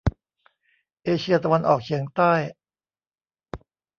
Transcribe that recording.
เอเชียตะวันออกเฉียงใต้